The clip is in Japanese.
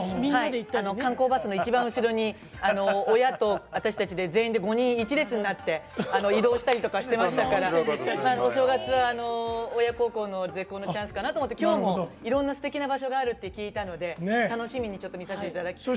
観光バスの一番後ろに親と私たちで全員で５人１列になって移動したりとかしてましたからお正月は親孝行の絶好のチャンスかなと思って今日のいろんな場所があると聞いたので楽しみに見させていただきます。